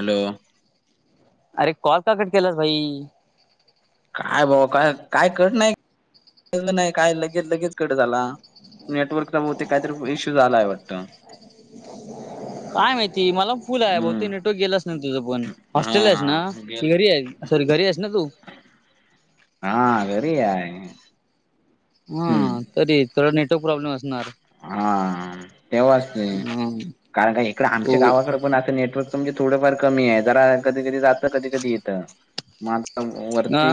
Hello, अरे call का cut केलास भाई. काय भाऊ काय काय कळत नाही नाही काय लगेच लगेच कट झाला. नेटवर्क बहुतेक काय तर इश्यू झालाय वाटतं. काय माहिती मला. स्कूल आहे बहुते हम्म नेटवर्क गेलास ना तुझं पण हॉस्टेल आहेस ना हा गेल की घरी आहे. सॉरी घरी आहेस ना तू. हा घरी आहे. हा, हम्म तरी तुला नेटवर्क प्रॉब्लेम असणार. हा, तेव्हाचते हम्म कारण का इकड हो आमच्या गावाकड. पण आता नेटवर्क थोडे फार कमी आहे तेथे थो ज कधी कधी जात कधी कध येतग [unintelligible] हा वरती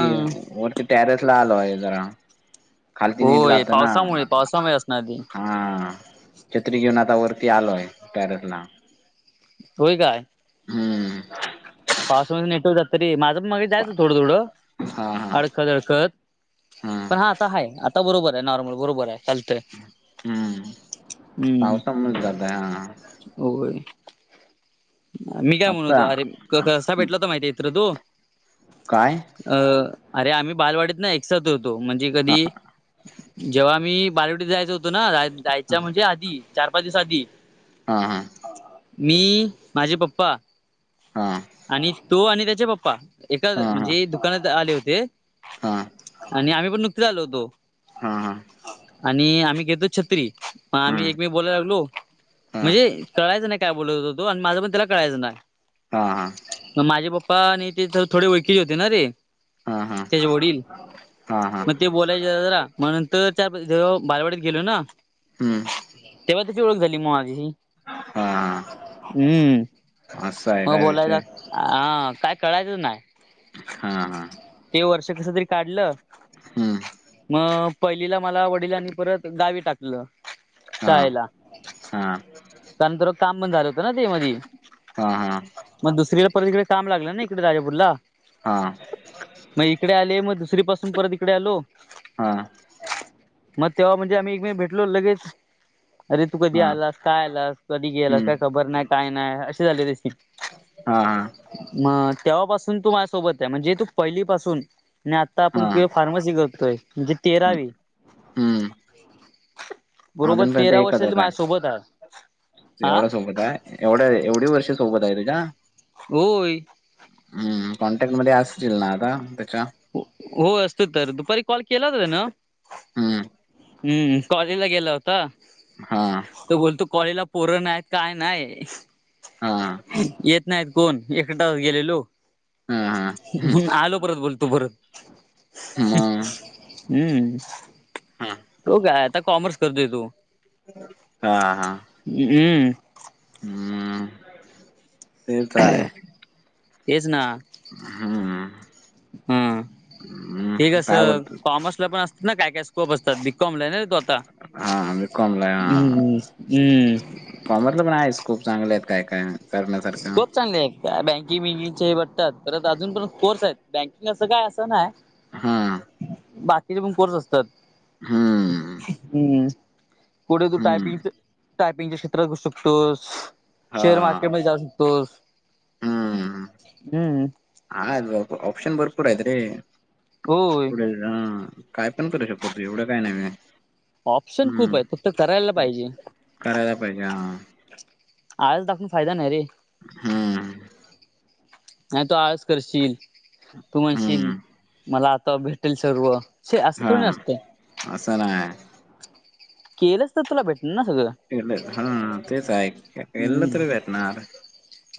वरती टॅरेस ला आलोय जरा. खालती नीट होय जात ना पावसामुळे पावसामुळे असणार की, हा छत्री घेऊन आता वरती आलोय टेरेसला. होय काय. हम्म, पावस नेटवर्क जात तरी माझं पण मग जायचं थोडं थोडं हा हा अड ''--'' खदळकत पण हा आता आहे आता बरोबर आहे नॉर्मल बरोबर आहे हल्थ. हम्म, पावसामुळ जातय हा, होय, ''मी काय म्हण आता होतो अरे कसा भेटला तर माहिती आहे इत्र तू. काय? अ अरे आम्ही बालवाडीत ना एकसाथ होतो म्हणजे कधी जेव्हा. ''मी बालवाडी जायच होतो ना जायच्या म्हणजे आधी चार पाच दिवस आधी. हा हा, ''मी माझे पप्पा. हा, आणि तो आणि त्याचे पप्पा एका हा हा म्हणजे दुकानात आले होते. हा आणि आम्ही पण नुकताच आलो होतो. हा हा आणि आम्ही घेतो छत्री आम्ही हम्म एकमेक''--'' बोलायला लागलो हा हा म्हणजे कळायचं नाही काय बोलत होत. तो आणि माझं पण त्याला कळायचं नाही. हा हा, मग माझे पप्पा आणि ते थोडे ओळखीचे होते ना रे. हा हा त्याचे वडील हा हा मग ते. बोलायच जरा मगंतर चार जव बालवाडीत गेलो ना. हम्म, तेव्हा तची ओळख झाली मग माझीशी हा हा हम्म, असं आहे हो काय बोलायचा विषय ह काय कळायचंच नाही. हा हा, ते वर्ष कस तरी काढलं. हम्म, मग पहिलीला मला वडिलांनी परत गावी टाकलं हा शाळेला हा त्यानंतर काम बंद झालं होतं ना ते मधी हा हा मग दुसरीकडे परत इकडे काम लागलं ना इकडे राजापुरला हा हा मग इकडे आले मग दुसरी पासून परत इकडे आलो हा मग तेव्हा म्हणजे आम्ही एकमे भेटलो लगेच अरे तू कधी आलास काय आलास कधी गेलास हम्म काय खबर नाही काय नाही असे झाले हा हा मग तेव्हापासून तू माझ्यासोबत आहे म्हणजे तू पहिलीपासून नाही आता हा आपण प्युअर फार्मसी करतोय म्हणजे हम्म तेरावी हम्म [unintelligible] बरोबर अजूनपर्यंत तेरा वर्ष एकच झाली होत माझ्या सोबत आहे आ एवढ्या सोबत आहे एवढ्या एवढी वर्ष सोबत आहे तुझ्या होय हम्म कॉन्टॅक्ट मध्ये असशील ना आता त्याच्या हो असतो तर दुपारी कॉल केला होता त्यानं हम्म हम्म कॉलेजला गेला होता हां. तो बोलतो कॉलेजला पोरं नाय काय नाय हां. येत नाहीत कोण एकटा गेलेलो हां, हां. हं. ह आलो परत बोलतो परत मग हम्म हं. तो काय आता कॉमर्स करतोय तो हम्म हम्म तर काय तेच ना हं. हम्म हं. ते काय कसं बोलतो कॉमर्स ला पण असतं ना काय काय स्कोप असतात बी कॉम ला आहे ना रे तो आता हां. बीकॉमला आहे. हां. हम्म् हम्म कॉमर्सला पण आहे स्कोप चांगले आहेत काय काय करण्यासारखं खूप चांगले आहेत का बँकिंग बिंकिंगचे भेटतात परत अजून पण कोर्स आहेत बँकिंग असं काय असं नाय हम्म बाकीचे पण कोर्स असतात हं. हम् कुठे तू हं. टायपिंगचे टायपिंगच्या क्षेत्रात घुसू शकतोस शेअर हां. मार्केटमध्ये जाऊ तोस हम्म हम्म हा आहेत ऑप्शन भरपूर आहेत रे होय पुढे जाऊन काय पण करू शकतो तू एवढं काय नवीन ऑप्शन खूप आहेत फक्त करायला पाहिजे करायला पाहिजे. हां. आळस दाखवून फायदा नाय रे हम्म नाही तू आळस करशील तू म्हणशील हं. मला आता भेट भेटेल सर्व छे असं हा थोडी नसतं असं नाय केलंस तर तुला भेटल ना सगळं केलं हा तेच आहे केलं हम्म तर भेटणार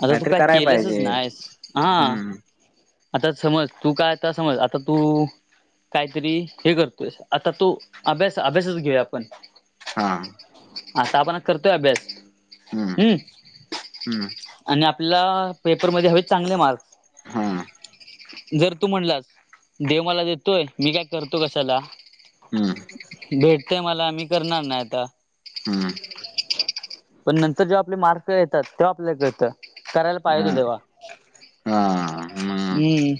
आता तू काहीतरी काय कराय केलंसच पाहिजे नायस हा हम्म आता समज तू काय आता समज आता तू- काहीतरी हे करतोयस आता तू आभ्यास आभ्यासाचं घेऊया आपण. हा आता आपण हा करतोय आभ्यास हम्म. हम्म आणि आपल्याला पेपरमध्ये हवेत चांगले मार्क्स. हम्म जर तू म्हणलास देव मला देतोय. मी काय करतो कशाला. हम्म भेटतंय मला मी करणार नाय आता. हम्म पण नंतर जेव्हा आपले मार्क येतात. तेव्हा आपल्याला कळतं- करायला हा पाहिजे होत तेव्हा हा हम्म हम्म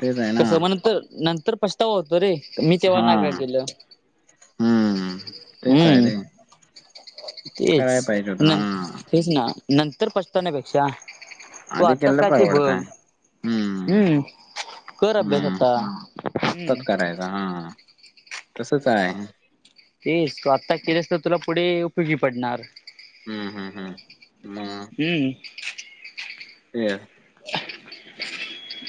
तेच आहे ना कसं म्हणून तर नंतर पश्- तो होतो रे मी तेव्हा हा नाय काय केेलं‌. हम्म तेच आहे रे! तेच कराय पाहिजे होत हा न तेच ना नंतर पचतावण्यापेक्षा, तू आधी आत्ताच केलं काय ते बघ. परवडतय हम्म- कर अभ्यास हम्म आता आत्ताच हम्म करायचं हा तसंच हाय. तेच तू आत्ता केलंस तर तुला पुढे उपयोगी पडणार. हम्म हम्म हम्म हम्म तेच.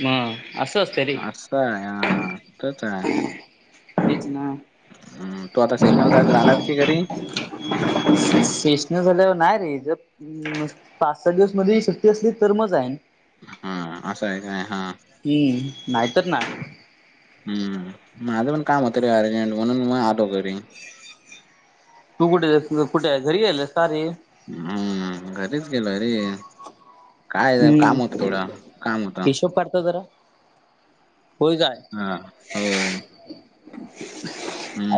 मग असं अस् असं हाय हा इथंच हाय. तेच ना हम तू आता स्टेशन जायला जाणार की घरी- शेष्ण झाल्यावर नाही रे ज- हम पाच सहा दिवस मध्ये सुट्टी असली तर मग जाईन. हम्म असं आहे काय हा- हम्म नाहीतर ना- हम् माझं पण काम होतं रे अर्जंट, म्हणून मग आलो घरी- तू कुठे तुझं कुठे घरी गेले का सारे- हम्म घरीच गेलोय रे! काय गं काम होतं थोडं काम होतं. झोप काढतो जरा. होय काय हा होय.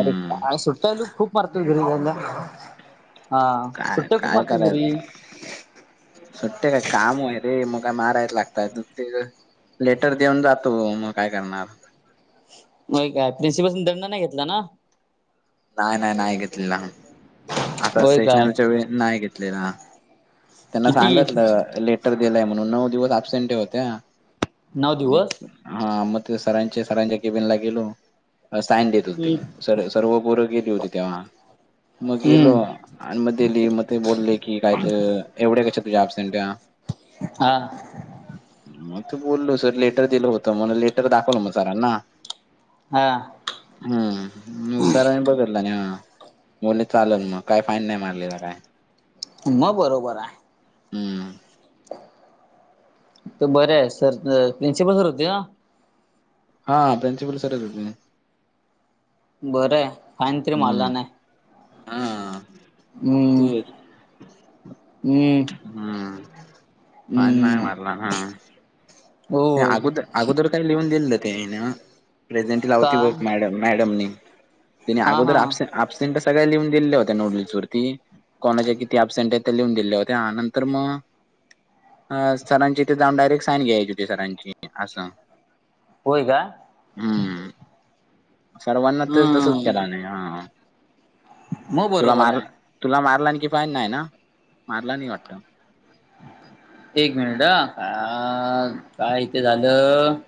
अरे काय सुट्ट्या तु खूप मारतो घरी जायला- हा काय सु्ट्या खूप काय मारतो घरी. करायचं? सुट्टे काय काम आहे रे मग काय मारायच लागतय दु- लेटर देऊन जातो मग काय करणार- मग काय प्रिनसिपलस न दंड नाही घेतला ना- नाय नाय नाय घेतलेला. आता होय काय सेशनच्या वेळी नाही घेतलेला. त्यांना किती सांगतलं लेटर दिलाय म्हणून नऊ दिवस अबसेंटी होत्या. नऊ दिवस- हा मग ते सरांच्या, सरांच्या केबिन ला गेलो साइन देत होती सर सर्व- पोरं गेली होती तेव्हा. मग गेलो हम्म आन मग दिली मग ते बोलले की यात एवढ्या कश्या तुझ्या अपसेनट्या. आं. मग त बोललो सर लेटर दिलं होतं, मग लेटर दाखवलं मग सरांना. हां. हम्म, नु सरांनी बघितलं ना, बोलले चाललं मग काही फाईन नाही मारले बाबा. मग बरोबर हाय. हम्म ते बरं हे सर. प्रिन्सिपल सर होते का? हां प्रिंसिपल सरच होते. बर ये. हम्म, हं. हम्म ते, [inaudible] हम्म हम्म. फाइन नाय हम्म मारला ना. ते होय अगोदर अगोदर काही लिहून दिललं ते ना, प्रेसेंटी लावती वत काय मॅडम-मॅडम ने. तिने हा अगोदर हा आप- अबसेंट तर सगळ्या लिहून दिलेल्या होत्या नवनीत वरती कोणाचे किती अबसेंट हेत, ते लिहून दिलेल्या होत्या नंतर मग अं सरांची तिथे जाऊन डायरेक्ट साईन घ्यायची होती सरांची असं. होय का? हम्म, सर्वांना ते तसच हम्म कराने, हा. मग तुला बरोबर मार- आहे तुला मारला कि फाईन नाही ना, मारला नई वाटत. एक मिनिट अं, हः काय इथे झालं.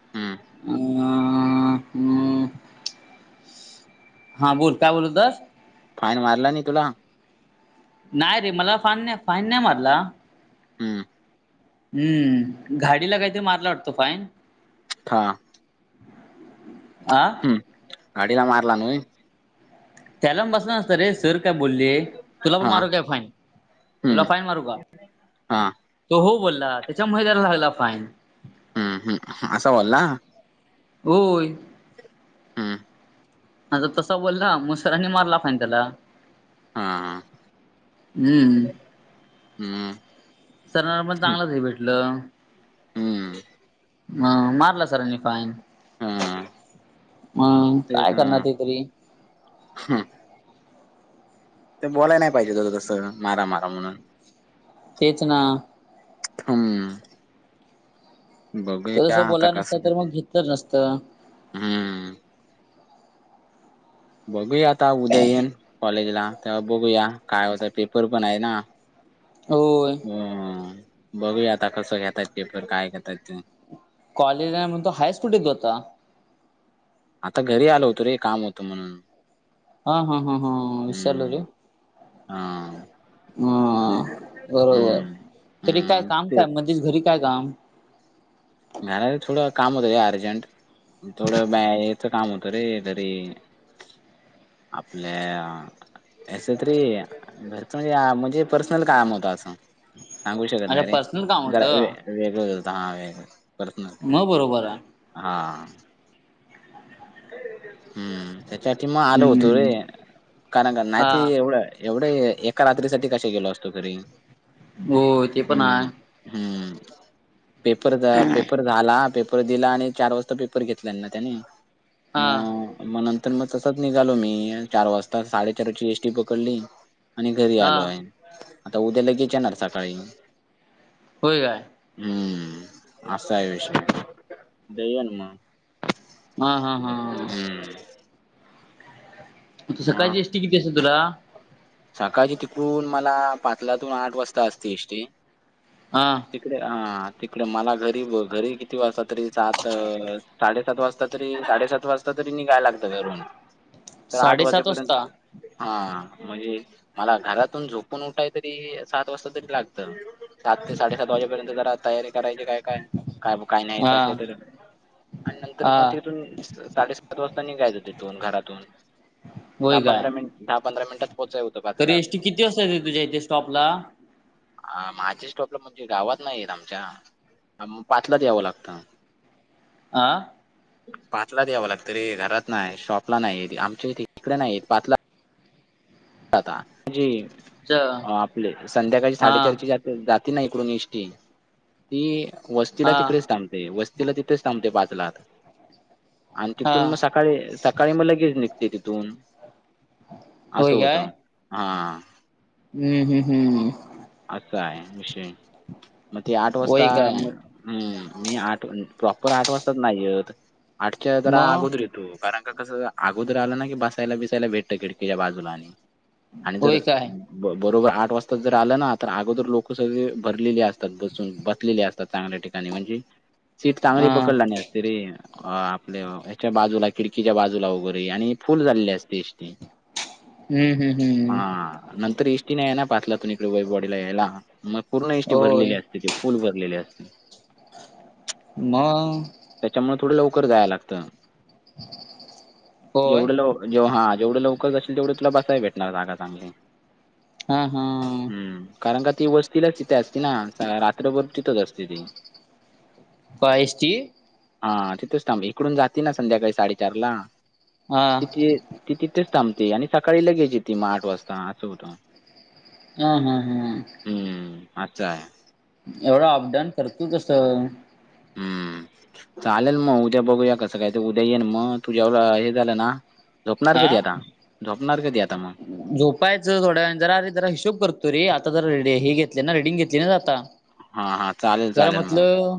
हम्म [unintelligible] हा बोल, काय बोलत होतास? फाईन मारला नाई तुला. नाही रे, मला फाईन नय, फाइन नाय मारला. हम्म. हम्म, गाडीला काय ते मारला वाटत फाईन. था [inaudible] आं. ह्म. गाडीला मारला नॉय. त्याला [unintelligible] असता रे, सर काय बोलले, तुला पण हा मारुका फाईन? तुला हम्म फाईन मारू का? हा तो हो बोलला, त्याच्यामुळे त्याला झलेला फाईन. हम्म, असा बोल्ला. होय. हम्म हा जर तसा बोलला, मग सरांनी मारला फाईन त्याला. हा, हा हम्म ह्म. सरांना पण चांगलंच हे भेटलं. हम्म्म्. मग मारला सरांनी फाईन, हा मग काय करणार ते तरी. ह्म. ते बोलायला नाही पाहिजे होतं तसं मारा-मारा म्हणून. तेच ना. [unintelligible] तो बघूया तसं आता बोलला नसता कसं तर ते. मग घेतलं नसतं हम्म. बघूया आता उद्या येईन कॉलेजला तेव्हा बघूया काय होतं पेपर पण आहे ना होय हम्म बघूया आता कसं घेतायतं पेपर काय घेतायेत ते. कॉलेज आहे म्हणतोसं हायस् कुठं तु आता आता घरी आलो होतो रे काम होतं म्हणून हा हा हा हा विसरलो हम्म रे हा हा बरोबर हम्म तरी काय हम्म काम काय तेच मध्येच घरी काय काम नाही रे थोडं काम होतं रे अर्जंट थोडं बॅ हेचं हेचं काम होतं रे तरी आपल्या हेचं रे घरचं म्हणजे म्हणजे पर्सनल काम होत असं सांगू शकत अच्छा नाही रे पर्सनल काम जरा होतं वेगळं होत हा वेगळं पर्सनल मग बरोबर आहे हा हम्म त्याच्यासाठी मग आलो होतो रे हम्म कारण हा नाहीत एवढं एवढे एका रात्री साठी कशा गेलो असतो तरी हो ते पण आहे. हम्म पेपर पेपर झाला पेपर दिला आणि चार वाजता पेपर घेतला त्याने हा मग म तर मग तसच निघालो मी चार वाजता साडेचारची एसटी पकडली आणि घरी हा आलो आहे. आता उद्या लगेच येणार सकाळी होय काय? हम्म असा आहे विषय दय ना मग हा हा हा हम्म मग सकाळची एष्टटी किती असते तुला सकाळची तिकून मला पाचलातून आठ वाजता असते एष्टी हा तिकडे ह तिकडे मला घरी घरी किती वाजता तरी सात साडेसात वाजता तरी साडेसात वाजता तरी निघाय लागतं घरून तर आठ साडेसात वाजेपर्यंत वाजता हा म्हणजे मला घरातून झोपून उठाय तरी सात वाजता तरी लागत. सात ते साडेसात वाजेपर्यंत जरा तयारी करायची काय काय काय काही नाहीच हा असलं तर आणि नंतर हा मग तिथून साडेसात वाजता निघायचं तिथून घरातून दहा होय काय पंधरा मिनट दहा पंधरा मिनटात पोचाय हों तरी एसटी किती वाजता येताय तुझ्या इथे स्टॉपला अ माझ्या स्टॉपला म्हणजे गावात नाही येत आमच्या अम पाचलाच यावं लागतं. आ? पाचलाच यावं लागतं रे. घरात नाही, शॉपला नाही ते आमच्या इथं इकडे नाही पाचला आता जी च आपली संध्याकाळी हा साडेचारची जाती ना इकडून एष्टी ती वस्तीला हा तिकडे थांबते. वस्तीला तिथेच थांबते पाचला आत. आणि हा तिथून मग सकाळी सकाळी मग लगेच निघते तिथून असं होय होत काय हा हम्म.. हम्म.. हम्म. असा आहे विषय, मग ते आठ वाजता होय म काय हम्म, मी आठ प्रॉपर आठ वाजताच नाही यत. आठच्य जरा मग आगोदर येतो, कारण का कसं? अगोदर आलं ना की, बसायला-बिसायला भेटतं, खिडकीच्या बाजूला आणि आणि जर होय काय? ब-बरोबर, आठ वाजता जर आलं ना आत तर अगोदर लोक सगळे भरलेले असतात बसून, बसलेले असतात चांगल्या ठिकाणी म्हणजे सीट हा चांगली पकडला नाही ते रे अं.. आपल्या ह्याच्या बाजूला, खिडकीच्या बाजूला वगैरे आणि फुल झालेली असते एस टी. हुं. हुं.. हुं.... हा, नंतर एस टी नाही आहे ना पाचला कोणीकडे वैभववाडीला यायला, मग पूर्ण एस टी होय. भरलेली असते ते, फुल भरलेले असते. मंग. त्याच्यामुळं, थोडं लवकर जायला लागतं. होय जेवढं लव पण जेव्हां हां जेवढे लवकर जाशील, तेवढे तुला बसाय भेटणार जागा चांगली. हा हा हूं.... कारण का ती वस्तीलाच इथे असती ना, रात्रभर तिथंच असते ती. पायसची‌ हा, तिथेच थांब. इकडून जाते ना संध्याकाळी साडेचारला, हा हा तिथे ती तिथेच थांबते आणि सकाळी लगेच येती मग आठ वाजता असं होतं. हा.. हा.. हा. हम्म्, अच हाय. एवढं अप-डाऊन करतो कसं? हं. [inaudible] चालेल मग. उद्या बघूया कसं? काय? ते उद्या येईल मग, तुझ्या हे झालं ना झोपणार कधी आ आता? झोपणार कधी आता मग? झोपायचं थोड्या वेळाने, जरा आरे जरा हिशोब करतो रे. आता जरा हे घेतले ना, रिडिंग घेतली ना आता. हां हां चालेल जरा चालेल मग म्हटलं